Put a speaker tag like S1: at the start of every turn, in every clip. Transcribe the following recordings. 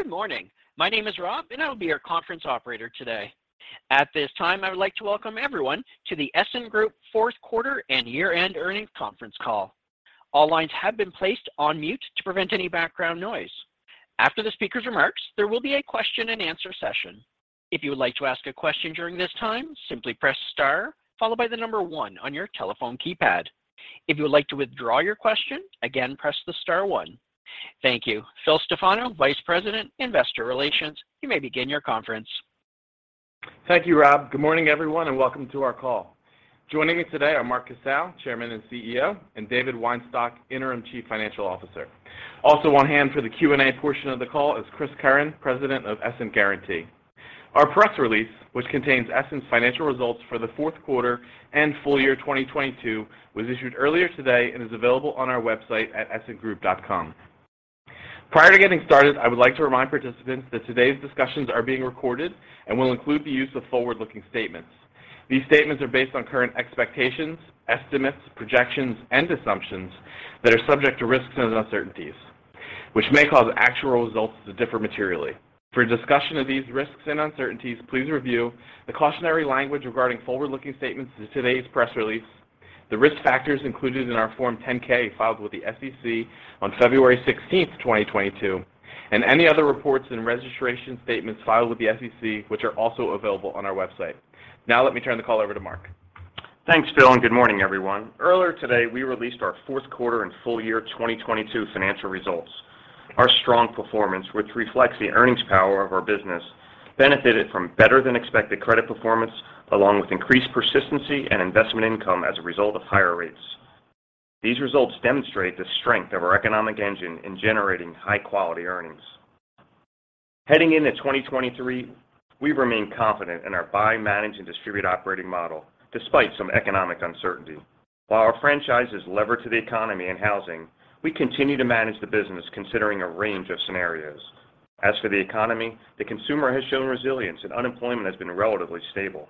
S1: Good morning. My name is Rob, and I'll be your conference operator today. At this time, I would like to welcome everyone to the Essent Group fourth quarter and year-end earnings conference call. All lines have been placed on mute to prevent any background noise. After the speaker's remarks, there will be a question-and-answer session. If you would like to ask a question during this time, simply press star followed by the number one on your telephone keypad. If you would like to withdraw your question, again, press the star one. Thank you. Phil Stefano, Vice President, Investor Relations, you may begin your conference.
S2: Thank you, Rob. Good morning, everyone, and welcome to our call. Joining me today are Mark Casale, Chairman and CEO, and David Weinstock, Interim Chief Financial Officer. Also on hand for the Q&A portion of the call is Chris Curran, President of Essent Guaranty. Our press release, which contains Essent's financial results for the fourth quarter and full year 2022, was issued earlier today and is available on our website at essentgroup.com. Prior to getting started, I would like to remind participants that today's discussions are being recorded and will include the use of forward-looking statements. These statements are based on current expectations, estimates, projections, and assumptions that are subject to risks and uncertainties, which may cause actual results to differ materially. For a discussion of these risks and uncertainties, please review the cautionary language regarding forward-looking statements in today's press release, the risk factors included in our Form 10-K filed with the SEC on February 16th, 2022, and any other reports and registration statements filed with the SEC, which are also available on our website. Now let me turn the call over to Mark.
S3: Thanks, Phil, and good morning, everyone. Earlier today, we released our fourth quarter and full year 2022 financial results. Our strong performance, which reflects the earnings power of our business, benefited from better-than-expected credit performance along with increased persistency and investment income as a result of higher rates. These results demonstrate the strength of our economic engine in generating high-quality earnings. Heading into 2023, we remain confident in our buy, manage, and distribute operating model despite some economic uncertainty. While our franchise is levered to the economy and housing, we continue to manage the business considering a range of scenarios. As for the economy, the consumer has shown resilience and unemployment has been relatively stable.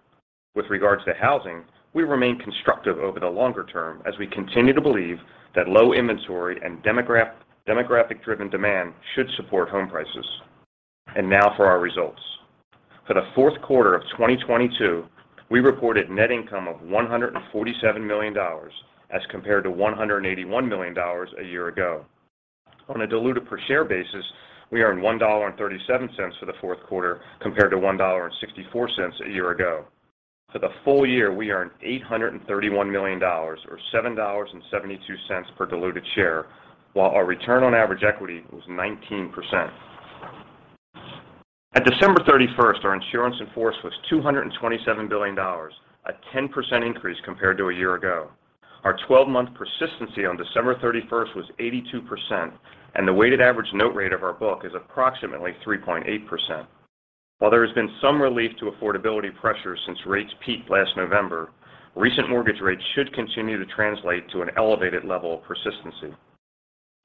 S3: With regards to housing, we remain constructive over the longer term as we continue to believe that low inventory and demographic-driven demand should support home prices. Now for our results. For the fourth quarter of 2022, we reported net income of $147 million as compared to $181 million a year ago. On a diluted per share basis, we earned $1.37 for the fourth quarter compared to $1.64 a year ago. For the full year, we earned $831 million or $7.72 per diluted share, while our return on average equity was 19%. At December 31st, our insurance in force was $227 billion, a 10% increase compared to a year ago. Our 12-month persistency on December 31st was 82%, and the weighted average note rate of our book is approximately 3.8%. While there has been some relief to affordability pressures since rates peaked last November, recent mortgage rates should continue to translate to an elevated level of persistency.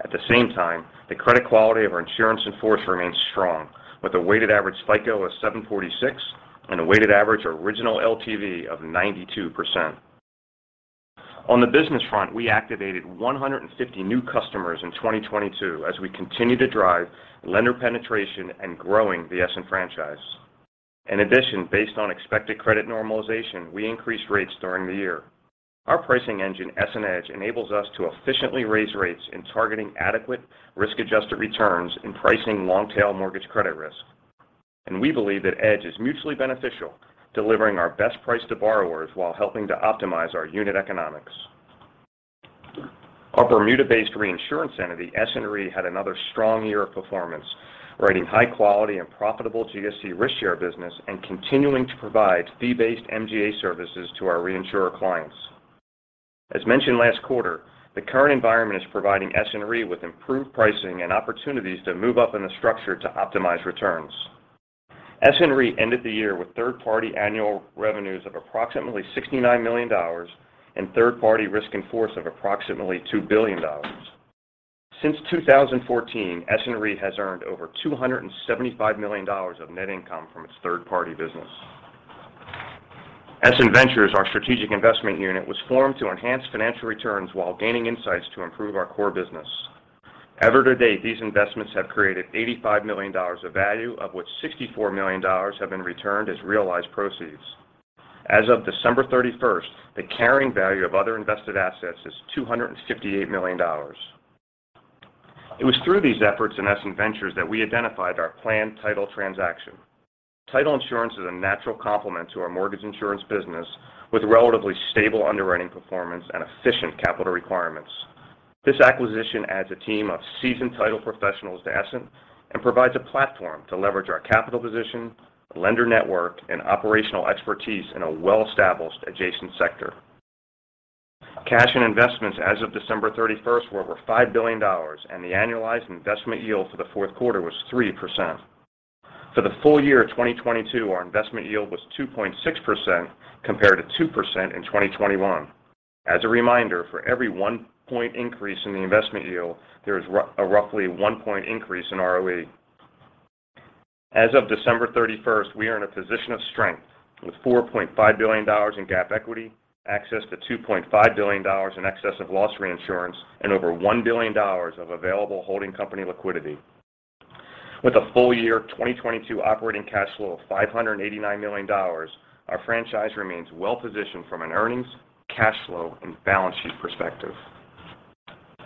S3: At the same time, the credit quality of our insurance in force remains strong, with a weighted average FICO of 746 and a weighted average original LTV of 92%. On the business front, we activated 150 new customers in 2022 as we continue to drive lender penetration and growing the Essent franchise. Based on expected credit normalization, we increased rates during the year. Our pricing engine, EssentEDGE, enables us to efficiently raise rates in targeting adequate risk-adjusted returns in pricing long-tail mortgage credit risk. We believe that EDGE is mutually beneficial, delivering our best price to borrowers while helping to optimize our unit economics. Our Bermuda-based reinsurance entity, Essent Re, had another strong year of performance, writing high quality and profitable GSE risk share business and continuing to provide fee-based MGA services to our reinsurer clients. As mentioned last quarter, the current environment is providing Essent Re with improved pricing and opportunities to move up in the structure to optimize returns. Essent Re ended the year with third-party annual revenues of approximately $69 million and third-party risk in force of approximately $2 billion. Since 2014, Essent Re has earned over $275 million of net income from its third-party business. Essent Ventures, our strategic investment unit, was formed to enhance financial returns while gaining insights to improve our core business. Ever to date, these investments have created $85 million of value, of which $64 million have been returned as realized proceeds. As of December 31st, the carrying value of other invested assets is $258 million. It was through these efforts in Essent Ventures that we identified our planned title transaction. Title insurance is a natural complement to our mortgage insurance business with relatively stable underwriting performance and efficient capital requirements. This acquisition adds a team of seasoned title professionals to Essent and provides a platform to leverage our capital position, lender network, and operational expertise in a well-established adjacent sector. Cash and investments as of December 31st were over $5 billion, and the annualized investment yield for the fourth quarter was 3%. For the full year of 2022, our investment yield was 2.6% compared to 2% in 2021. As a reminder, for every one point increase in the investment yield, there is a roughly one point increase in ROE. As of December 31st, we are in a position of strength with $4.5 billion in GAAP equity, access to $2.5 billion in excess of loss reinsurance, and over $1 billion of available holding company liquidity. With a full year 2022 operating cash flow of $589 million, our franchise remains well-positioned from an earnings, cash flow, and balance sheet perspective.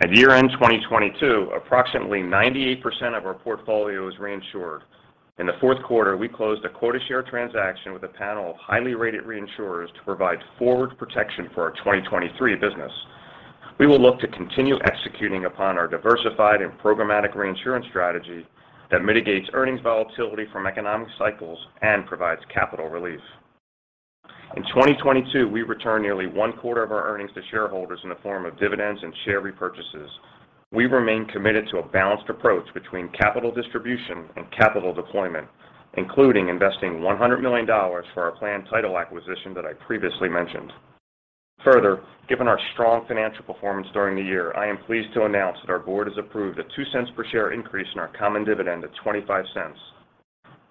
S3: At year-end 2022, approximately 98% of our portfolio is reinsured. In the fourth quarter, we closed a quota share transaction with a panel of highly rated reinsurers to provide forward protection for our 2023 business. We will look to continue executing upon our diversified and programmatic reinsurance strategy that mitigates earnings volatility from economic cycles and provides capital relief. In 2022, we returned nearly one quarter of our earnings to shareholders in the form of dividends and share repurchases. We remain committed to a balanced approach between capital distribution and capital deployment, including investing $100 million for our planned title acquisition that I previously mentioned. Further, given our strong financial performance during the year, I am pleased to announce that our board has approved a $0.02 per share increase in our common dividend to $0.25.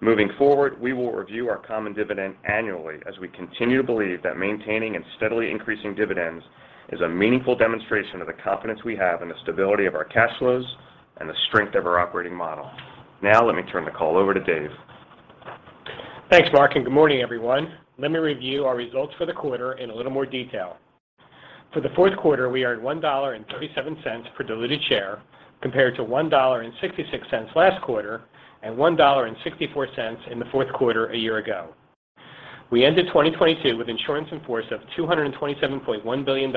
S3: Moving forward, we will review our common dividend annually as we continue to believe that maintaining and steadily increasing dividends is a meaningful demonstration of the confidence we have in the stability of our cash flows and the strength of our operating model. Now let me turn the call over to Dave.
S4: Thanks, Mark. Good morning, everyone. Let me review our results for the quarter in a little more detail. For the fourth quarter, we earned $1.37 per diluted share compared to $1.66 last quarter and $1.64 in the fourth quarter a year ago. We ended 2022 with insurance in force of $227.1 billion,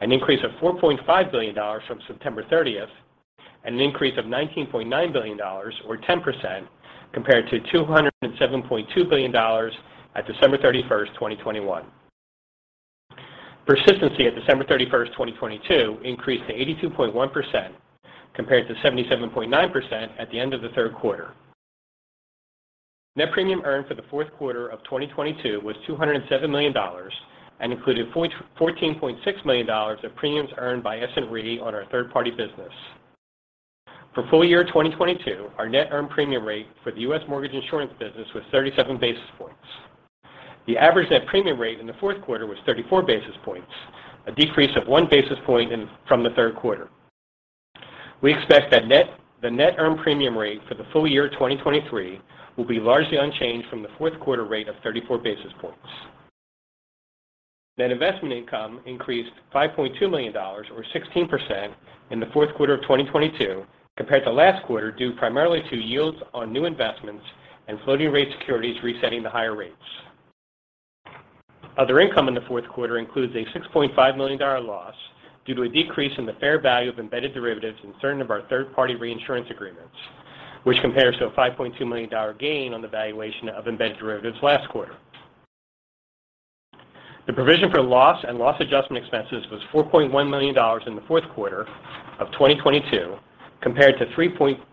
S4: an increase of $4.5 billion from September 30th, and an increase of $19.9 billion or 10% compared to $207.2 billion at December 31st, 2021. Persistency at December 31st, 2022 increased to 82.1% compared to 77.9% at the end of the third quarter. Net premium earned for the fourth quarter of 2022 was $207 million and included $14.6 million of premiums earned by Essent Re on our third-party business. For full year 2022, our net earned premium rate for the U.S. mortgage insurance business was 37 basis points. The average net premium rate in the fourth quarter was 34 basis points, a decrease of 1 basis point from the third quarter. We expect that the net earned premium rate for the full year 2023 will be largely unchanged from the fourth quarter rate of 34 basis points. Net investment income increased $5.2 million or 16% in the fourth quarter of 2022 compared to last quarter, due primarily to yields on new investments and floating rate securities resetting to higher rates. Other income in the fourth quarter includes a $6.5 million loss due to a decrease in the fair value of embedded derivatives in certain of our third-party reinsurance agreements, which compares to a $5.2 million gain on the valuation of embedded derivatives last quarter. The provision for loss and loss adjustment expenses was $4.1 million in the fourth quarter of 2022 compared to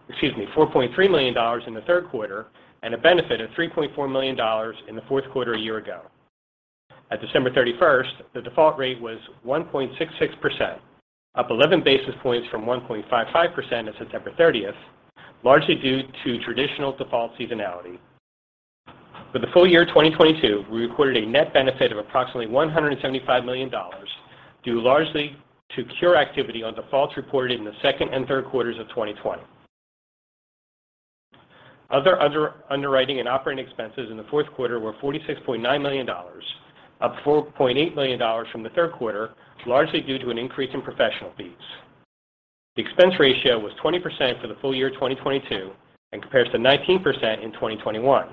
S4: Excuse me, $4.3 million in the third quarter and a benefit of $3.4 million in the fourth quarter a year ago. At December 31st, the default rate was 1.66%, up 11 basis points from 1.55% at September 30th, largely due to traditional default seasonality. For the full year 2022, we recorded a net benefit of approximately $175 million, due largely to cure activity on defaults reported in the second and third quarters of 2020. Other underwriting and operating expenses in the fourth quarter were $46.9 million, up $4.8 million from the third quarter, largely due to an increase in professional fees. The expense ratio was 20% for the full year 2022 and compares to 19% in 2021.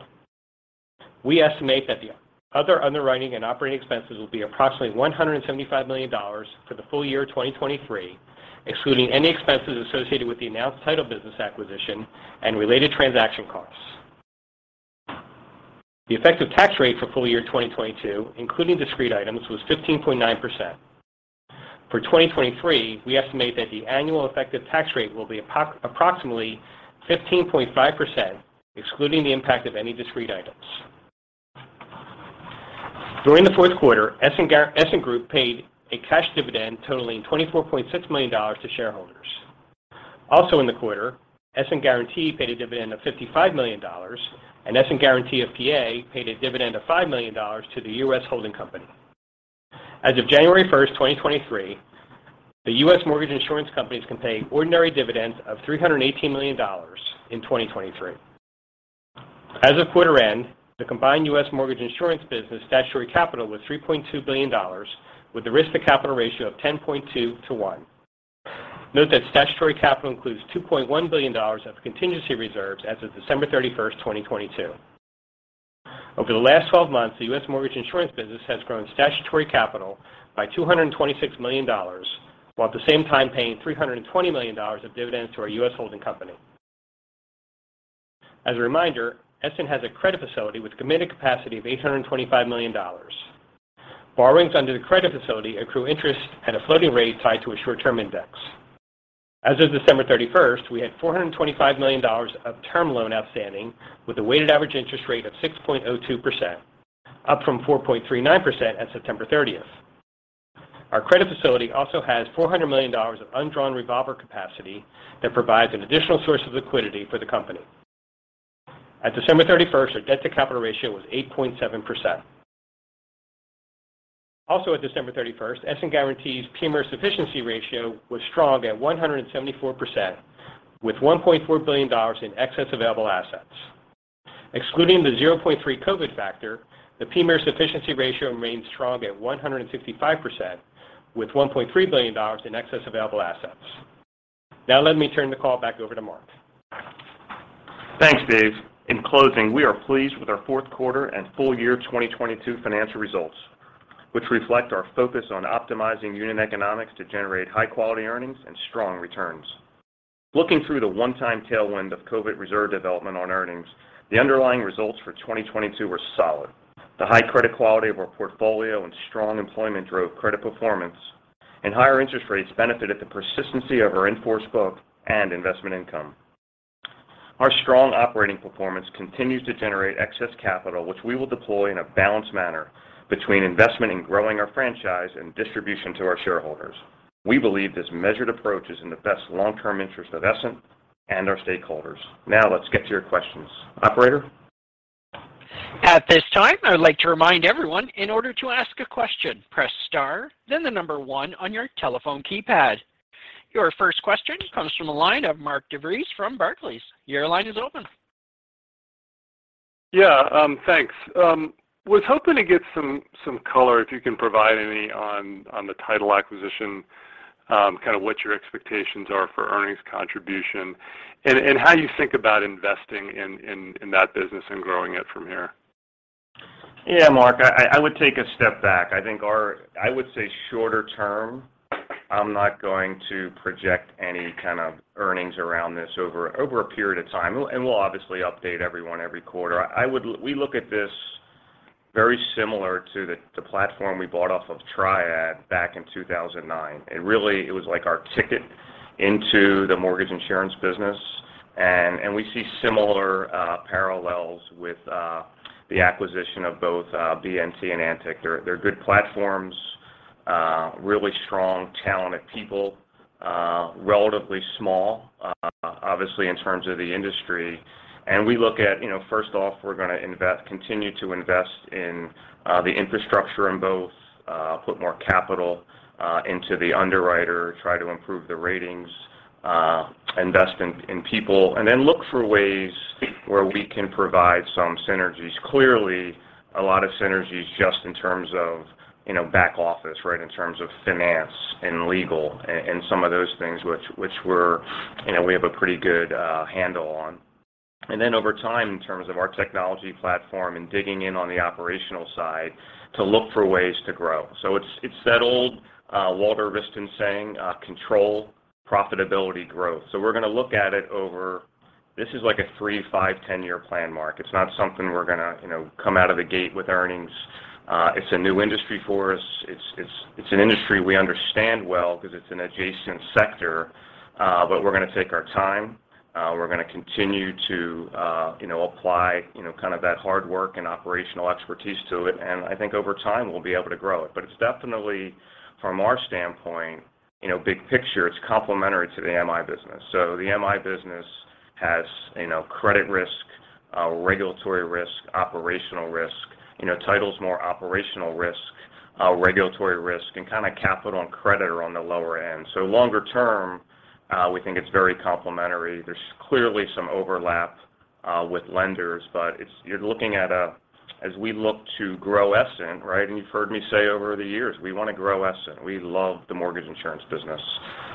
S4: We estimate that the other underwriting and operating expenses will be approximately $175 million for the full year 2023, excluding any expenses associated with the announced title business acquisition and related transaction costs. The effective tax rate for full year 2022, including discrete items, was 15.9%. For 2023, we estimate that the annual effective tax rate will be approximately 15.5%, excluding the impact of any discrete items. During the fourth quarter, Essent Group paid a cash dividend totaling $24.6 million to shareholders. In the quarter, Essent Guaranty paid a dividend of $55 million, and Essent Guaranty of PA paid a dividend of $5 million to the U.S. holding company. As of January first, 2023, the U.S. mortgage insurance companies can pay ordinary dividends of $318 million in 2023. As of quarter end, the combined U.S. mortgage insurance business statutory capital was $3.2 billion with a risk to capital ratio of 10.2 to 1. Note that statutory capital includes $2.1 billion of contingency reserves as of December 31st, 2022. Over the last 12 months, the U.S. mortgage insurance business has grown statutory capital by $226 million while at the same time paying $320 million of dividends to our U.S. holding company. As a reminder, Essent has a credit facility with committed capacity of $825 million. Borrowings under the credit facility accrue interest at a floating rate tied to a short-term index. As of December 31st, we had $425 million of term loan outstanding with a weighted average interest rate of 6.02%, up from 4.39% at September 30th. Our credit facility also has $400 million of undrawn revolver capacity that provides an additional source of liquidity for the company. At December 31st, our debt-to-capital ratio was 8.7%. Also at December 31st, Essent Guaranty's PMIER sufficiency ratio was strong at 174% with $1.4 billion in excess available assets. Excluding the 0.3 COVID factor, the PMIER sufficiency ratio remains strong at 155% with $1.3 billion in excess available assets. Now let me turn the call back over to Mark.
S3: Thanks, Dave. In closing, we are pleased with our fourth quarter and full year 2022 financial results, which reflect our focus on optimizing unit economics to generate high-quality earnings and strong returns. Looking through the one-time tailwind of COVID reserve development on earnings, the underlying results for 2022 were solid. The high credit quality of our portfolio and strong employment drove credit performance, and higher interest rates benefited the persistency of our in-force book and investment income. Our strong operating performance continues to generate excess capital, which we will deploy in a balanced manner between investment in growing our franchise and distribution to our shareholders. We believe this measured approach is in the best long-term interest of Essent and our stakeholders. Now let's get to your questions. Operator?
S1: At this time, I would like to remind everyone in order to ask a question, press star, then the number one on your telephone keypad. Your first question comes from the line of Mark DeVries from Barclays. Your line is open.
S5: Thanks. Was hoping to get some color, if you can provide any on the title acquisition, kind of what your expectations are for earnings contribution and how you think about investing in that business and growing it from here.
S3: Yeah, Mark, I would take a step back. I think shorter term, I'm not going to project any kind of earnings around this over a period of time. We'll obviously update everyone every quarter. We look at this very similar to the platform we bought off of Triad back in 2009. It really, it was like our ticket into the mortgage insurance business. We see similar parallels with the acquisition of both BNT and ANTIC. They're good platforms, really strong, talented people, relatively small, obviously, in terms of the industry. We look at, you know, first off, we're gonna invest, continue to invest in the infrastructure in both, put more capital into the underwriter, try to improve the ratings, invest in people, and then look for ways where we can provide some synergies. Clearly, a lot of synergies just in terms of, you know, back office, right? In terms of finance and legal and some of those things which we're, you know, we have a pretty good handle on. Over time, in terms of our technology platform and digging in on the operational side, to look for ways to grow. It's, it's that old Walter Wriston saying, "Control, profitability, growth." We're gonna look at it. This is like a three, five, 10-year plan, Mark. It's not something we're gonna, you know, come out of the gate with earnings. It's a new industry for us. It's an industry we understand well because it's an adjacent sector, but we're gonna take our time. We're gonna continue to, you know, apply, you know, kind of that hard work and operational expertise to it. I think over time, we'll be able to grow it. It's definitely, from our standpoint, you know, big picture, it's complementary to the MI business. The MI business has, you know, credit risk, regulatory risk, operational risk. You know, title's more operational risk, regulatory risk, and kinda capital and credit are on the lower end. Longer term, we think it's very complementary. There's clearly some overlap with lenders, but as we look to grow Essent, right? You've heard me say over the years, we wanna grow Essent. We love the mortgage insurance business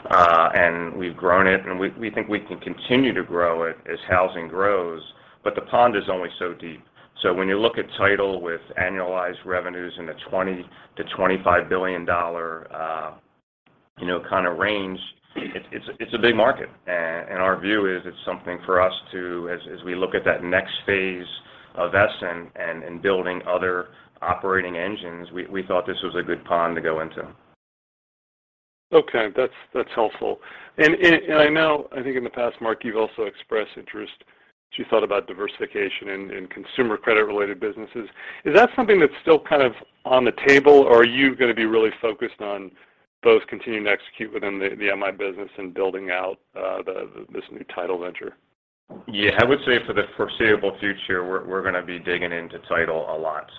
S3: and we've grown it, we think we can continue to grow it as housing grows, but the pond is only so deep. When you look at title with annualized revenues in the $20 billion-$25 billion, you know, kind of range, it's a big market. And our view is it's something for us to, as we look at that next phase of Essent and building other operating engines, we thought this was a good pond to go into.
S5: Okay. That's helpful. I know, I think in the past, Mark, you've also expressed interest as you thought about diversification in consumer credit-related businesses. Is that something that's still kind of on the table, or are you gonna be really focused on both continuing to execute within the MI business and building out, this new title venture?
S3: Yeah. I would say for the foreseeable future, we're gonna be digging into title a lot.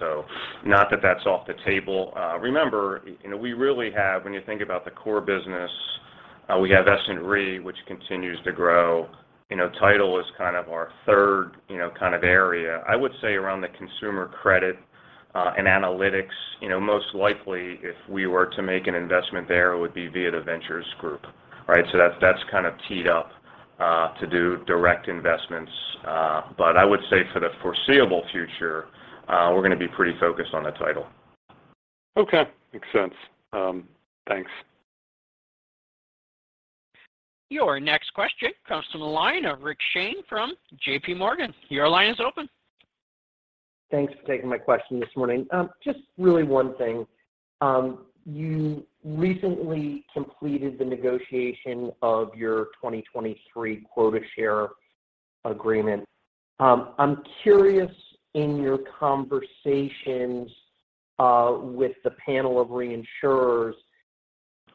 S3: Not that that's off the table. Remember, you know, we really have, when you think about the core business, we have Essent Re, which continues to grow. You know, title is kind of our third, kind of area. I would say around the consumer credit, and analytics, you know, most likely, if we were to make an investment there, it would be via the Ventures group, right? That's, that's kind of teed up to do direct investments. I would say for the foreseeable future, we're gonna be pretty focused on the title.
S5: Okay. Makes sense. Thanks.
S1: Your next question comes from the line of Rick Shane from JPMorgan. Your line is open.
S6: Thanks for taking my question this morning. just really one thing. you recently completed the negotiation of your 2023 quota share Agreement. I'm curious in your conversations with the panel of reinsurers,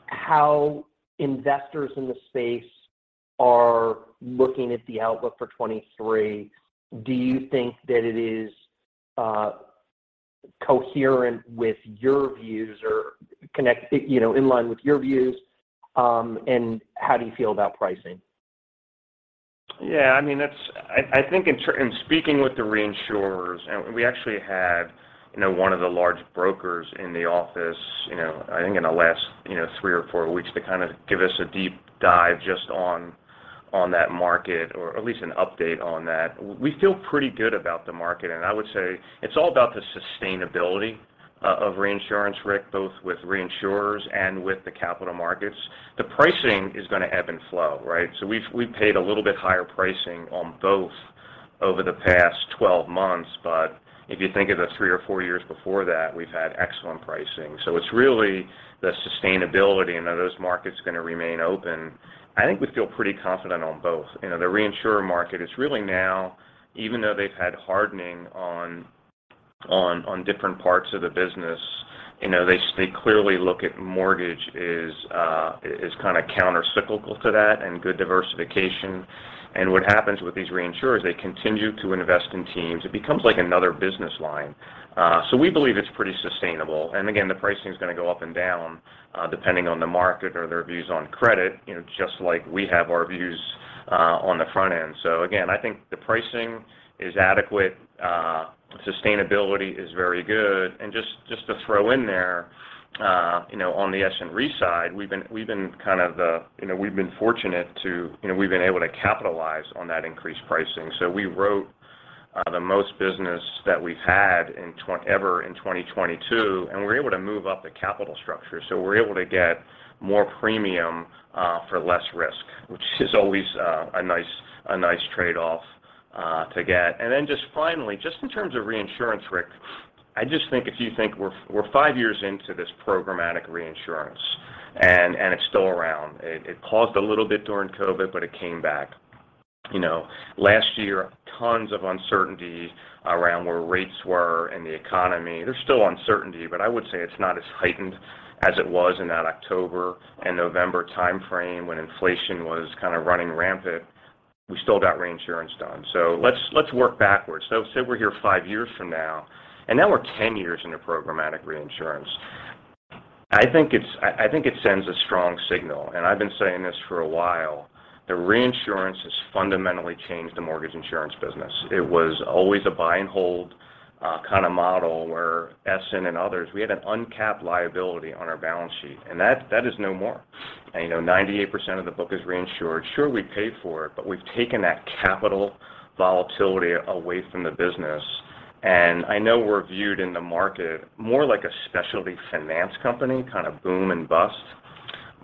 S6: how investors in the space are looking at the outlook for 2023. Do you think that it is coherent with your views or you know, in line with your views? How do you feel about pricing?
S3: Yeah, I mean, I think in speaking with the reinsurers, we actually had, you know, one of the large brokers in the office, you know, I think in the last, you know, three or four weeks to kind of give us a deep dive just on that market, or at least an update on that. We feel pretty good about the market. I would say it's all about the sustainability of reinsurance, Rick, both with reinsurers and with the capital markets. The pricing is gonna ebb and flow, right? We've paid a little bit higher pricing on both over the past 12 months, if you think of the three or four years before that, we've had excellent pricing. It's really the sustainability and are those markets gonna remain open. I think we feel pretty confident on both. You know, the reinsurer market is really now, even though they've had hardening on different parts of the business, you know, they clearly look at mortgage is kind of countercyclical to that and good diversification. What happens with these reinsurers, they continue to invest in teams. It becomes like another business line. We believe it's pretty sustainable. Again, the pricing is gonna go up and down depending on the market or their views on credit, you know, just like we have our views on the front end. Again, I think the pricing is adequate. Sustainability is very good. Just to throw in there, you know, on the Essent Re side, we've been able to capitalize on that increased pricing. We wrote the most business that we've had ever in 2022, and we're able to move up the capital structure, so we're able to get more premium for less risk, which is always a nice, a nice trade-off to get. Just finally, just in terms of reinsurance, Rick, I just think if you think we're five years into this programmatic reinsurance and it's still around. It paused a little bit during COVID, but it came back. You know, last year, tons of uncertainty around where rates were in the economy. There's still uncertainty, but I would say it's not as heightened as it was in that October and November timeframe when inflation was kind of running rampant. We still got reinsurance done. Let's work backwards. Say we're here five years from now we're 10 years into programmatic reinsurance. I think it sends a strong signal, I've been saying this for a while, that reinsurance has fundamentally changed the mortgage insurance business. It was always a buy and hold kind of model where Essent and others, we had an uncapped liability on our balance sheet, that is no more. You know, 98% of the book is reinsured. Sure, we paid for it, we've taken that capital volatility away from the business. I know we're viewed in the market more like a specialty finance company, kind of boom and bust.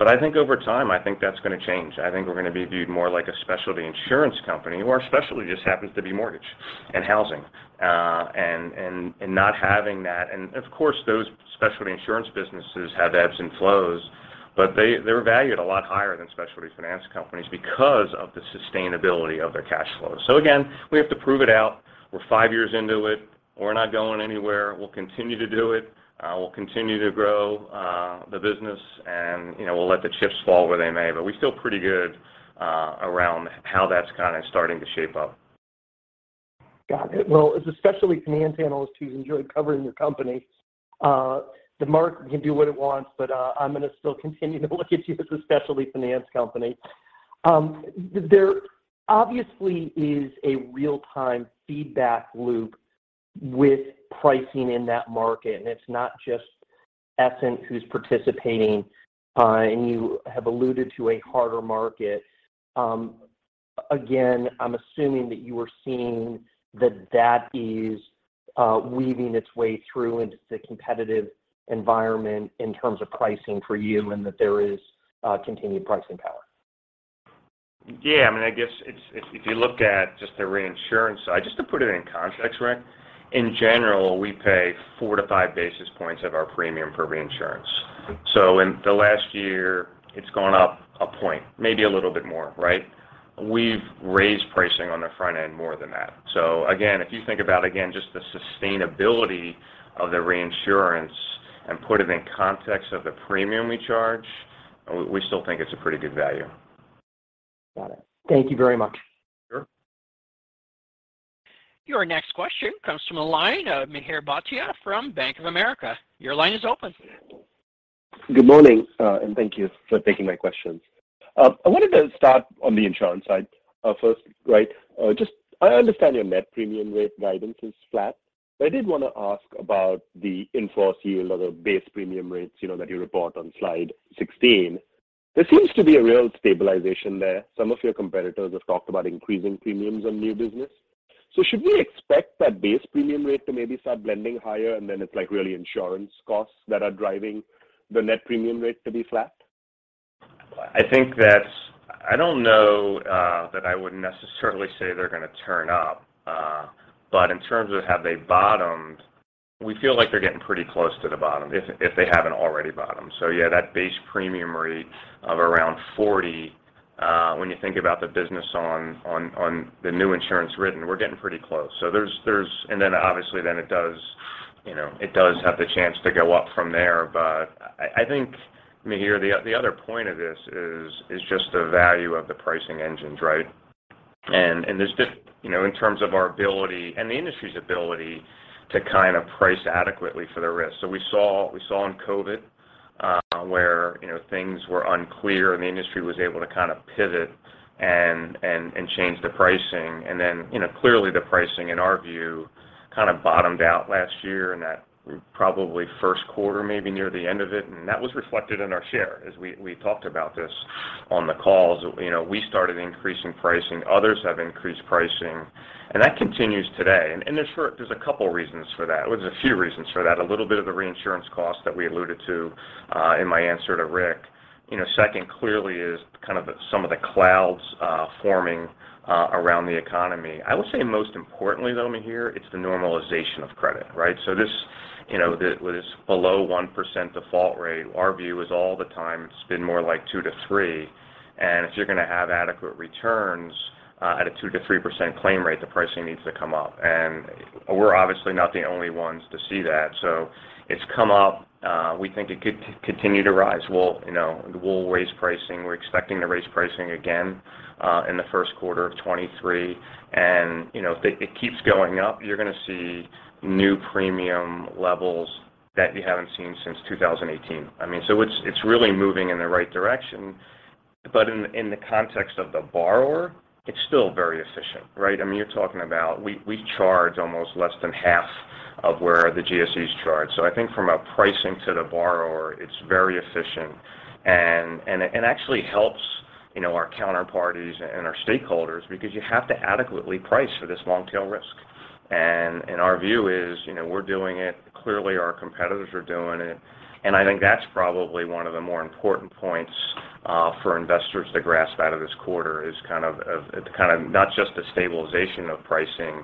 S3: I think over time, I think that's gonna change. I think we're gonna be viewed more like a specialty insurance company, where our specialty just happens to be mortgage and housing, and not having that. Of course, those specialty insurance businesses have ebbs and flows, but they're valued a lot higher than specialty finance companies because of the sustainability of their cash flows. Again, we have to prove it out. We're five years into it. We're not going anywhere. We'll continue to do it. We'll continue to grow the business and, you know, we'll let the chips fall where they may. We feel pretty good around how that's kinda starting to shape up.
S6: Got it. Well, as a specialty finance analyst who's enjoyed covering your company, the market can do what it wants, but I'm gonna still continue to look at you as a specialty finance company. There obviously is a real-time feedback loop with pricing in that market, and it's not just Essent who's participating, and you have alluded to a harder market. Again, I'm assuming that you are seeing that that is weaving its way through into the competitive environment in terms of pricing for you and that there is continued pricing power.
S3: Yeah. I mean, I guess if you look at just the reinsurance side, just to put it in context, Rick, in general, we pay 4-5 basis points of our premium for reinsurance. In the last year, it's gone up one point, maybe a little bit more, right? We've raised pricing on the front end more than that. Again, if you think about, again, just the sustainability of the reinsurance and put it in context of the premium we charge, we still think it's a pretty good value.
S6: Got it. Thank you very much.
S3: Sure.
S1: Your next question comes from the line of Mihir Bhatia from Bank of America. Your line is open.
S7: Good morning. Thank you for taking my questions. I wanted to start on the insurance side, first, right? Just I understand your net premium rate guidance is flat, but I did wanna ask about the in-force yield or the base premium rates, you know, that you report on slide 16. There seems to be a real stabilization there. Some of your competitors have talked about increasing premiums on new business. Should we expect that base premium rate to maybe start blending higher, and then it's like really insurance costs that are driving the net premium rate to be flat?
S3: I think that's. I don't know that I would necessarily say they're gonna turn up. In terms of have they bottomed, we feel like they're getting pretty close to the bottom if they haven't already bottomed. Yeah, that base premium rate of around 40, when you think about the business on the new insurance written, we're getting pretty close. There's. Obviously then it does, you know, have the chance to go up from there. I think, I mean, here, the other point of this is just the value of the pricing engines, right? There's just, you know, in terms of our ability and the industry's ability to kind of price adequately for the risk. We saw in COVID, where, you know, things were unclear, and the industry was able to kind of pivot and change the pricing. You know, clearly the pricing, in our view, kind of bottomed out last year in that probably first quarter, maybe near the end of it, and that was reflected in our share. As we talked about this on the calls. You know, we started increasing pricing, others have increased pricing, that continues today. There's a couple reasons for that. Well, there's a few reasons for that. A little bit of the reinsurance cost that we alluded to in my answer to Rick. You know, second clearly is kind of some of the clouds forming around the economy. I will say most importantly, though, Mihir, it's the normalization of credit, right? This, you know, this below 1% default rate, our view is all the time it's been more like 2%-3%. If you're gonna have adequate returns, at a 2%-3% claim rate, the pricing needs to come up. We're obviously not the only ones to see that. It's come up, we think it could continue to rise. We'll, you know, we'll raise pricing. We're expecting to raise pricing again in the first quarter of 2023. You know, if it keeps going up, you're gonna see new premium levels that you haven't seen since 2018. I mean, it's really moving in the right direction. In, in the context of the borrower, it's still very efficient, right? I mean, you're talking about we charge almost less than half of where the GSEs charge. I think from a pricing to the borrower, it's very efficient and it actually helps, you know, our counterparties and our stakeholders because you have to adequately price for this long tail risk. Our view is, you know, we're doing it, clearly our competitors are doing it. I think that's probably one of the more important points for investors to grasp out of this quarter is kind of not just the stabilization of pricing,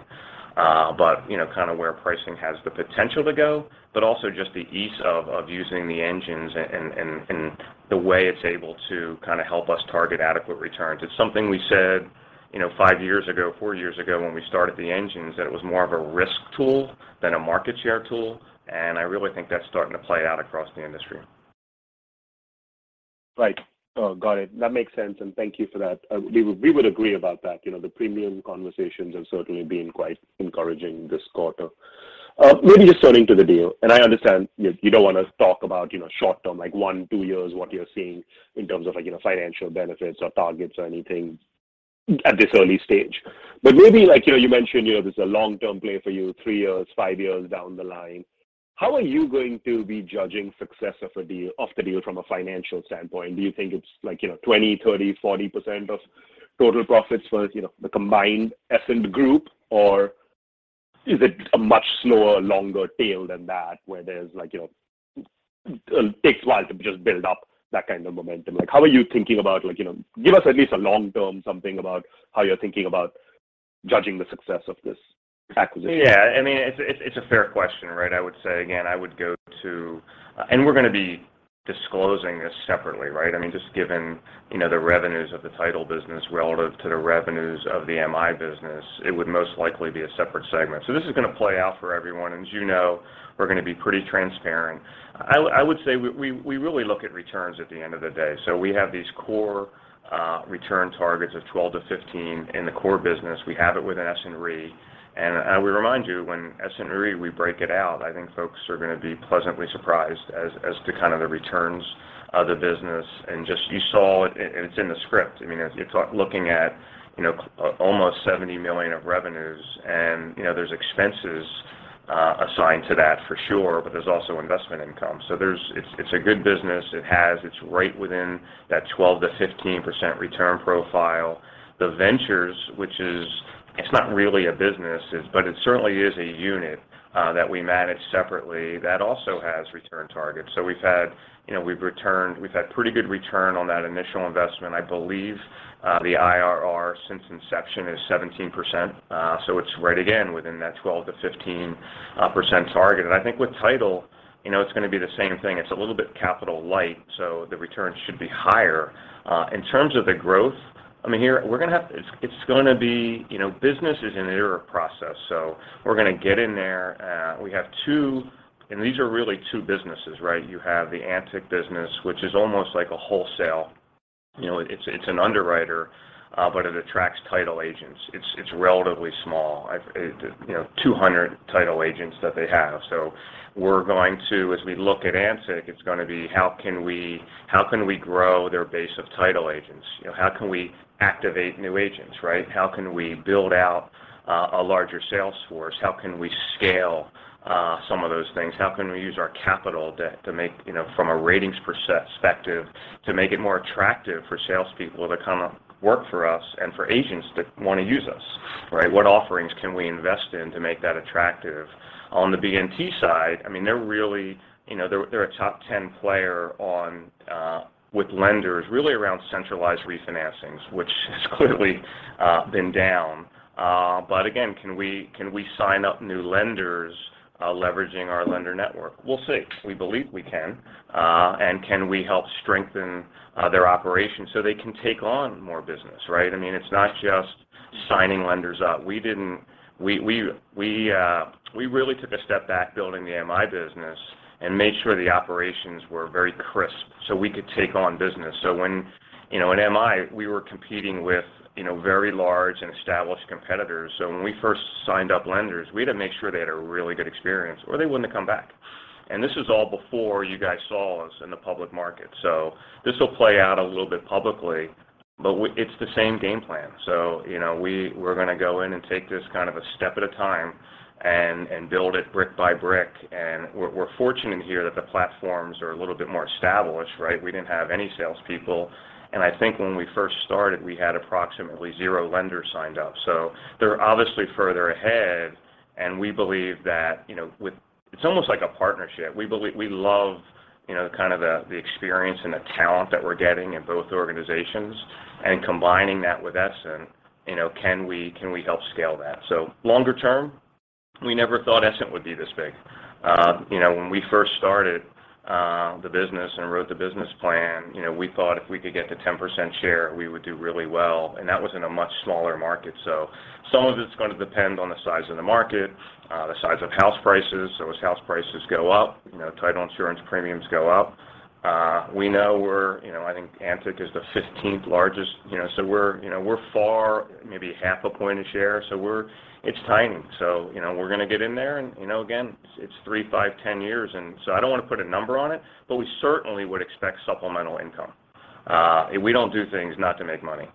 S3: but, you know, kind of where pricing has the potential to go, but also just the ease of using the engines and the way it's able to kind of help us target adequate returns. It's something we said, you know, five years ago, four years ago when we started the engine, that it was more of a risk tool than a market share tool. I really think that's starting to play out across the industry.
S7: Right. Got it. That makes sense, and thank you for that. We would agree about that. You know, the premium conversations have certainly been quite encouraging this quarter. Maybe just turning to the deal, and I understand you don't wanna talk about, you know, short term, like one, two years, what you're seeing in terms of like, you know, financial benefits or targets or anything at this early stage. Maybe like, you know, you mentioned, you know, this is a long-term play for you, three years, five years down the line. How are you going to be judging success of the deal from a financial standpoint? Do you think it's like, you know, 20%, 30%, 40% of total profits for, you know, the combined Essent Group? Is it a much slower, longer tail than that, where there's like, you know, it takes a while to just build up that kind of momentum? Like, how are you thinking about like, you know? Give us at least a long-term something about how you're thinking about judging the success of this acquisition.
S3: Yeah. I mean, it's a fair question, right? I would say again. We're gonna be disclosing this separately, right? I mean, just given, you know, the revenues of the title business relative to the revenues of the MI business, it would most likely be a separate segment. This is gonna play out for everyone. As you know, we're gonna be pretty transparent. I would say we really look at returns at the end of the day. We have these core return targets of 12%-15% in the core business. We have it with Essent Re. I would remind you when Essent Re, we break it out, I think folks are gonna be pleasantly surprised as to kind of the returns of the business. Just you saw it, and it's in the script. I mean, if you're looking at, you know, almost $70 million of revenues, and, you know, there's expenses assigned to that for sure, but there's also investment income. It's a good business. It's right within that 12%-15% return profile. The Ventures, which is not really a business, but it certainly is a unit that we manage separately that also has return targets. We've had, you know, pretty good return on that initial investment. I believe, the IRR since inception is 17%, so it's right again within that 12%-15% target. I think with Title, you know, it's gonna be the same thing. It's a little bit capital light, so the returns should be higher. In terms of the growth, I mean, here we're gonna have. It's gonna be, you know, business is an iterative process, so we're gonna get in there. We have two. These are really two businesses, right? You have the ANTIC business, which is almost like a wholesale. You know, it's an underwriter, but it attracts title agents. It's relatively small. You know, 200 title agents that they have. So we're going to, as we look at ANTIC, it's gonna be how can we grow their base of title agents? You know, how can we activate new agents, right? How can we build out a larger sales force? How can we scale some of those things? How can we use our capital to make, you know, from a ratings perspective, to make it more attractive for salespeople to come work for us and for agents to wanna use us, right? What offerings can we invest in to make that attractive? On the BNT side, I mean, they're really, you know, they're a top 10 player with lenders really around centralized refinancings, which, clearly, been down. Again, can we sign up new lenders, leveraging our lender network? We'll see. We believe we can. Can we help strengthen their operations so they can take on more business, right? I mean, it's not just signing lenders up. We really took a step back building the MI business and made sure the operations were very crisp, so we could take on business. When, you know, in MI, we were competing with, you know, very large and established competitors. When we first signed up lenders, we had to make sure they had a really good experience or they wouldn't come back. This is all before you guys saw us in the public market. This will play out a little bit publicly, but it's the same game plan. You know, we're gonna go in and take this kind of a step at a time and build it brick by brick. We're, we're fortunate here that the platforms are a little bit more established, right? We didn't have any sales people. I think when we first started, we had approximately 0 lenders signed up. They're obviously further ahead, and we believe that, you know. It's almost like a partnership. We love, you know, kind of the experience and the talent that we're getting in both organizations and combining that with Essent, you know, can we help scale that? Longer term, we never thought Essent would be this big. you know, when we first started, the business and wrote the business plan, you know, we thought if we could get to 10% share, we would do really well. That was in a much smaller market. Some of it's gonna depend on the size of the market, the size of house prices. As house prices go up, you know, title insurance premiums go up. we know we're, you know, I think ANTIC is the 15th largest, you know, so we're, you know, far maybe half a point a share. It's timing. You know, we're gonna get in there and, you know, again, it's three, five, 10 years. I don't wanna put a number on it, but we certainly would expect supplemental income. We don't do things not to make money.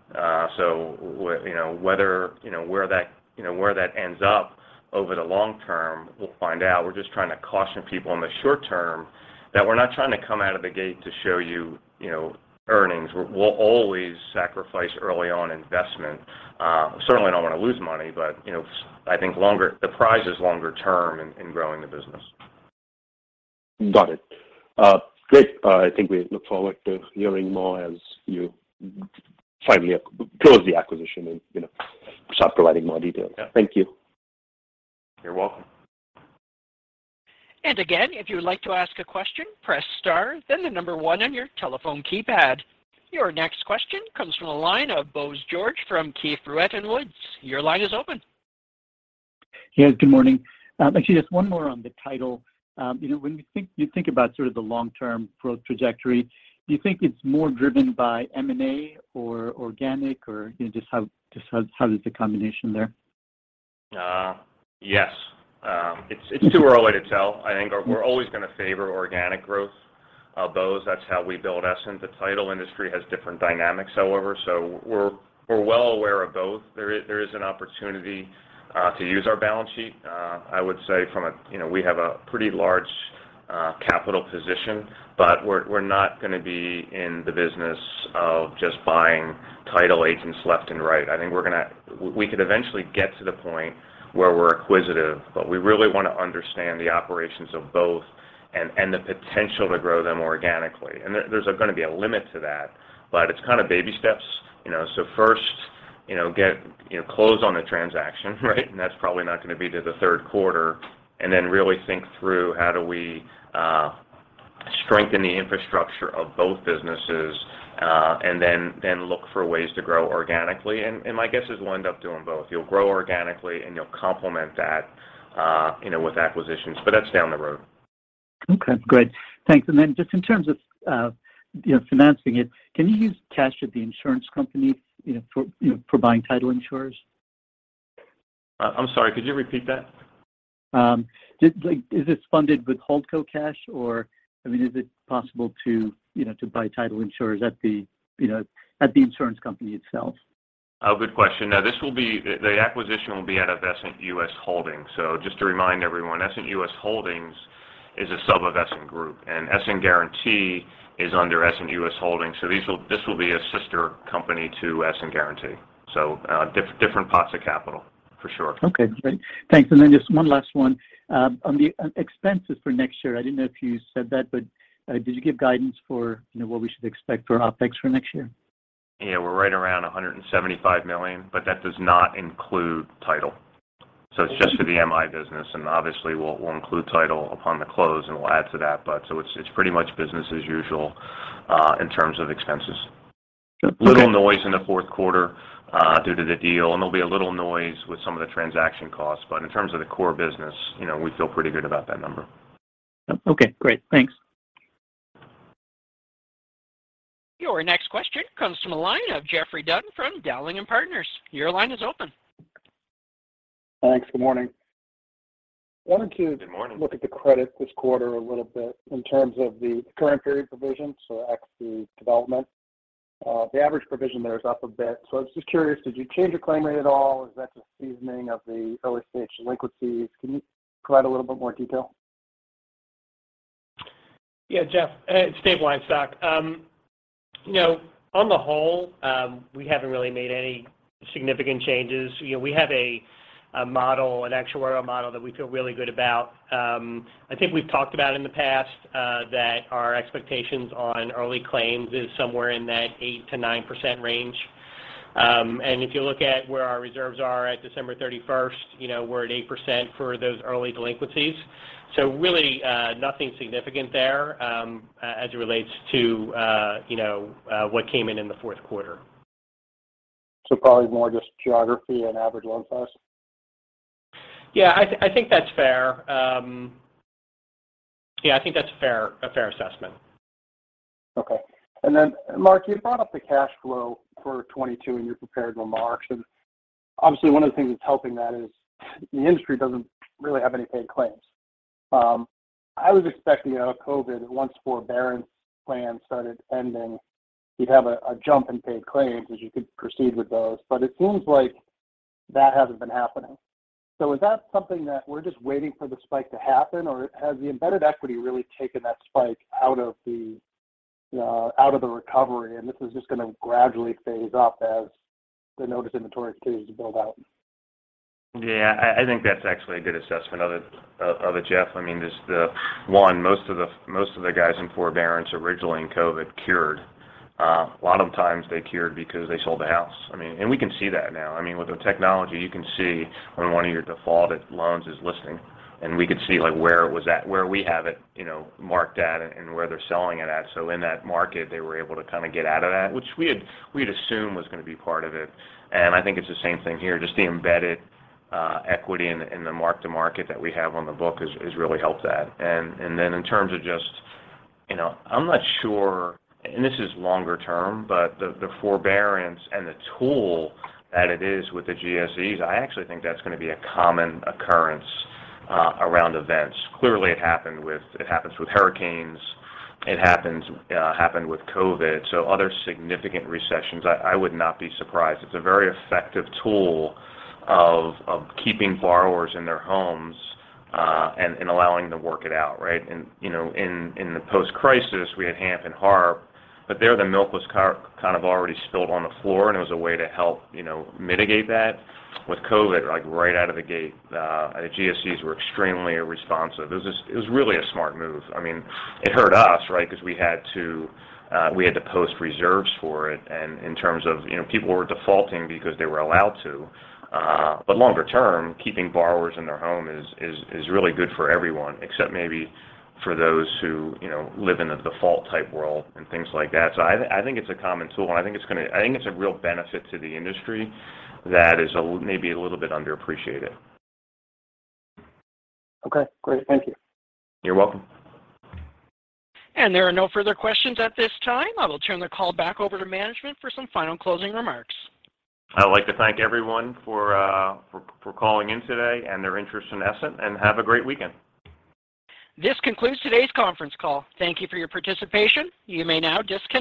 S3: So you know, whether, you know, where that, you know, where that ends up over the long term, we'll find out. We're just trying to caution people in the short term that we're not trying to come out of the gate to show you know, earnings. We'll always sacrifice early on investment. Certainly don't wanna lose money, but, you know, I think the prize is longer term in growing the business.
S7: Got it. great. I think we look forward to hearing more as you finally close the acquisition and, you know, start providing more details.
S3: Yeah.
S7: Thank you.
S3: You're welcome.
S1: Again, if you would like to ask a question, press star, then the number one on your telephone keypad. Your next question comes from the line of Bose George from Keefe, Bruyette & Woods. Your line is open.
S8: Yes, good morning. Actually just one more on the title. You know, when you think about sort of the long-term growth trajectory, do you think it's more driven by M&A or organic or, you know, just how is the combination there?
S3: Yes. It's too early to tell. I think we're always gonna favor organic growth, Bose. That's how we build Essent. The title industry has different dynamics, however. We're well aware of both. There is an opportunity to use our balance sheet. I would say from a, you know, we have a pretty large capital position, but we're not gonna be in the business of just buying title agents left and right. I think we could eventually get to the point where we're acquisitive, but we really wanna understand the operations of both and the potential to grow them organically. There's gonna be a limit to that, but it's kind of baby steps, you know. First, you know, get, you know, close on the transaction, right? That's probably not gonna be till the third quarter, and then really think through how do we strengthen the infrastructure of both businesses, and then look for ways to grow organically. My guess is we'll end up doing both. You'll grow organically, and you'll complement that, you know, with acquisitions, but that's down the road.
S8: Okay, great. Thanks. Then just in terms of, you know, financing it, can you use cash at the insurance company, you know, for, you know, for buying title insurers?
S3: I'm sorry, could you repeat that?
S8: Just like, is this funded with holdco cash or, I mean, is it possible to, you know, to buy title insurers at the, you know, at the insurance company itself?
S3: Oh, good question. The acquisition will be out of Essent US Holdings. Just to remind everyone, Essent US Holdings is a sub of Essent Group, and Essent Guaranty is under Essent US Holdings. This will be a sister company to Essent Guaranty. Different pots of capital for sure.
S8: Okay, great. Thanks. Just one last one. On the expenses for next year, I didn't know if you said that, but did you give guidance for, you know, what we should expect for OpEx for next year?
S3: Yeah, we're right around $175 million. That does not include title. It's just for the MI business, and obviously, we'll include title upon the close, and we'll add to that. It's pretty much business as usual in terms of expenses.
S8: Okay.
S3: A little noise in the fourth quarter, due to the deal, and there'll be a little noise with some of the transaction costs. In terms of the core business, you know, we feel pretty good about that number.
S8: Okay, great. Thanks.
S1: Your next question comes from the line of Geoffrey Dunn from Dowling & Partners. Your line is open.
S9: Thanks. Good morning.
S3: Good morning.
S9: Wanted to look at the credit this quarter a little bit in terms of the current period provision, so X, the development. The average provision there is up a bit. I was just curious, did you change your claim rate at all? Is that just seasoning of the OSH delinquencies? Can you provide a little bit more detail?
S4: Yeah, Jeff. It's Dave Weinstock. You know, on the whole, we haven't really made any significant changes. You know, we have a model, an actuarial model that we feel really good about. I think we've talked about in the past, that our expectations on early claims is somewhere in that 8%-9% range. If you look at where our reserves are at December 31st, you know, we're at 8% for those early delinquencies. Really, nothing significant there, as it relates to, you know, what came in the fourth quarter.
S9: Probably more just geography and average loan size?
S4: Yeah, I think that's fair. Yeah, I think that's fair, a fair assessment.
S9: Okay. Then, Mark, you brought up the cash flow for 2022 in your prepared remarks, and obviously, one of the things that's helping that is the industry doesn't really have any paid claims. I was expecting out of COVID, once forbearance plans started ending, you'd have a jump in paid claims as you could proceed with those. But it seems like that hasn't been happening. Is that something that we're just waiting for the spike to happen, or has the embedded equity really taken that spike out of the recovery and this is just gonna gradually phase up as the notice inventory continues to build out?
S3: I think that's actually a good assessment of it, Jeff. I mean, just one, most of the guys in forbearance originally in COVID cured. A lot of times they cured because they sold the house. I mean, we can see that now. I mean, with the technology, you can see when one of your defaulted loans is listing, and we could see like where it was at, where we have it, you know, marked at, and where they're selling it at. In that market, they were able to kind of get out of that, which we had assumed was gonna be part of it. I think it's the same thing here, just the embedded equity in the mark to market that we have on the book has really helped that. Then in terms of just, you know, I'm not sure, and this is longer term, but the forbearance and the tool that it is with the GSEs, I actually think that's gonna be a common occurrence around events. Clearly, it happens with hurricanes, it happens, happened with COVID. Other significant recessions, I would not be surprised. It's a very effective tool of keeping borrowers in their homes, and allowing to work it out, right? You know, in the post-crisis, we had HAMP and HARP, but there the milk was kind of already spilled on the floor and it was a way to help, you know, mitigate that. With COVID, like right out of the gate, the GSEs were extremely responsive. It was just, it was really a smart move. I mean, it hurt us, right? Because we had to, we had to post reserves for it. In terms of, you know, people were defaulting because they were allowed to. Longer term, keeping borrowers in their home is really good for everyone, except maybe for those who, you know, live in a default type world and things like that. I think it's a common tool, and I think it's a real benefit to the industry that is maybe a little bit underappreciated.
S9: Okay, great. Thank you.
S3: You're welcome.
S1: There are no further questions at this time. I will turn the call back over to management for some final closing remarks.
S3: I'd like to thank everyone for calling in today and their interest in Essent, and have a great weekend.
S1: This concludes today's conference call. Thank you for your participation. You may now disconnect.